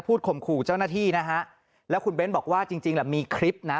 พูดข่มขู่เจ้าหน้าที่นะฮะแล้วคุณเบนท์บอกว่าจริงมีคลิปนะ